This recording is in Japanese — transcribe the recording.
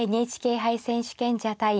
ＮＨＫ杯選手権者対